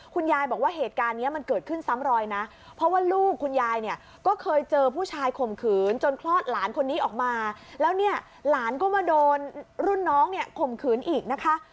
คุณยายบอกว่าเหตุการณ์นี้มันเกิดขึ้นซ้ำรอยนะเพราะว่าลูกคุณยายเนี่ยก็เคยเจอผู้ชายข่มขืนจนคลอดหลานคนนี้ออกมาแล้วเนี่ยหลานก็มาโดนรุ่นน้องเนี่ยข่มขืนอีกนะคะ